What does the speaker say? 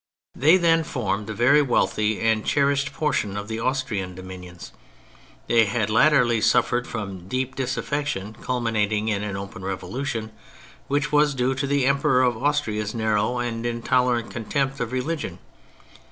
They then formed a very wealthy and cher ished portion of the Austrian dominions ; they had latterly suffered from deep dis affection culminating in an open revolution, which was due to the Emperor of Austria's narrow and intolerant contempt of religion.